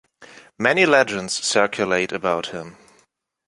Many legends circulate about him.